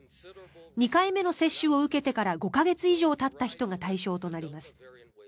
２回目の接種を受けてから５か月以上たった人が対象となります。